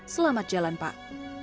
selamat jalan pak